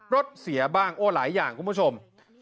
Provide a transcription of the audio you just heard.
รถเสียบ้างโอ้หลายอย่างคุณผู้ชม